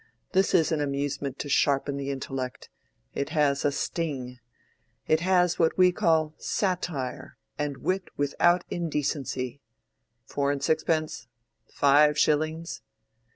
This is an amusement to sharpen the intellect; it has a sting—it has what we call satire, and wit without indecency. Four and sixpence—five shillings."